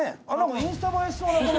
インスタ映えしそうなこの。